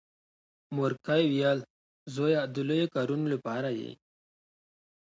مورکۍ ویل زويه د لويو کارونو لپاره یې.